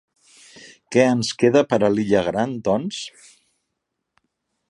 Què ens queda per a l'illa Gran, doncs?